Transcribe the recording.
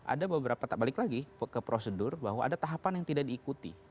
ada beberapa tak balik lagi ke prosedur bahwa ada tahapan yang tidak diikuti